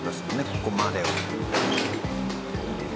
ここまでを。